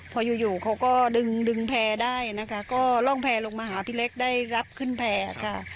พออยู่อยู่เขาก็ดึงดึงแพร่ได้นะคะก็ร่องแพร่ลงมาหาพี่เล็กได้รับขึ้นแพร่ค่ะ